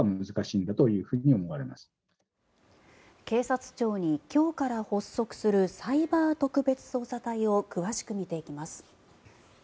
警察庁に今日から発足するサイバー特別捜査隊を詳しく見ていきます。